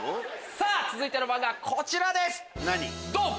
さぁ続いての漫画はこちらですドン！